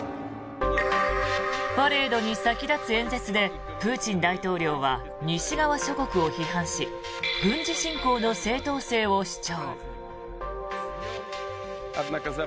パレードに先立つ演説でプーチン大統領は西側諸国を批判し軍事侵攻の正当性を主張。